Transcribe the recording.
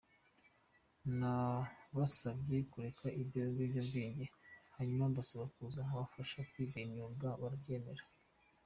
Nabasabye kureka ibyo biyobyabwenge, hanyuma mbasaba kuza nkabafasha kwiga imyuga, barabyemera.